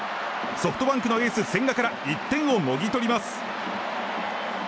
ソフトバンクのエース、千賀から１点をもぎ取ります。